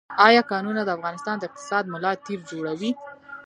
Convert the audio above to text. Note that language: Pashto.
آیا کانونه د افغانستان د اقتصاد ملا تیر جوړوي؟